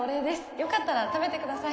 よかったら食べてください